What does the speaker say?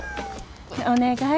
お願い。